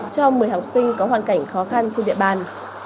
cho một mươi học sinh có hoàn cảnh khó khăn trên địa bàn